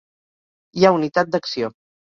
Hi ha unitat d’acció.